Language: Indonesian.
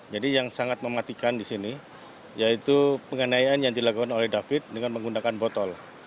jadi yang sangat mematikan di sini yaitu penganayaan yang dilakukan oleh david dengan menggunakan botol